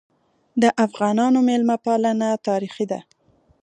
د افغانانو مېلمه پالنه تاریخي ده.